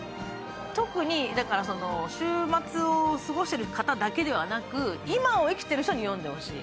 特に終末を過ごしている方だけではなく今を生きている人に読んでほしい。